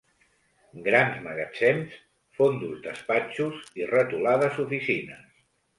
Grans magatzems, fondos despatxos i retolades oficines